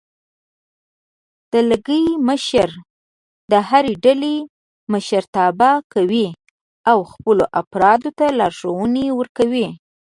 دلګی مشر د هرې ډلې مشرتابه کوي او خپلو افرادو ته لارښوونې ورکوي.